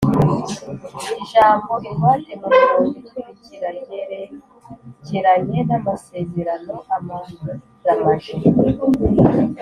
Ijambo ingwate mu mirongo ikurikira ryerekeranye n’amasezerano amaramaje.